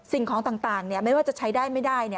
สิ่งของต่างไม่ว่าจะใช้ได้ไม่ได้